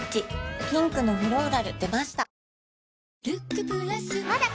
ピンクのフローラル出ました